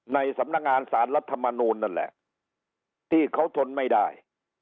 ในสำนักงานสารรัฐมนูลนั่นแหละที่เขาทนไม่ได้